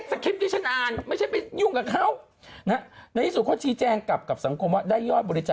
สีมันออกเหลืองเหมือนมี